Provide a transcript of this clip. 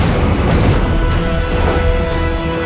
aku akan mengunggurkan ibumu sendiri